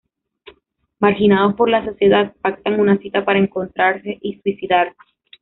Marginados por la sociedad, pactan una cita para encontrarse y suicidarse.